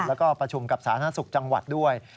แล้วก็ประชุมกับสาธารณสุขจังหวัดด้วย